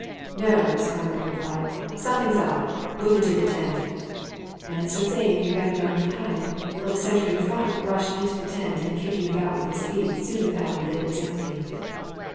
"No," his comrade replied. "Something's up. Look into the tent." And, so saying, he ran round behind, while the sentry in front rushed into the tent and, kicking about with his feet, soon found that it was empty.